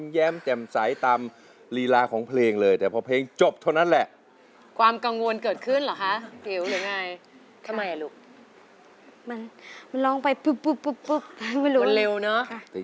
อยากเจอคนดีแถวนี้มีไหมเอ่ย